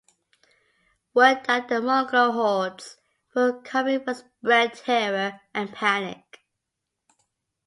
Word that the Mongol hordes were coming would spread terror and panic.